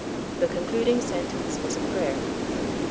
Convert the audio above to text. The concluding sentence was a prayer.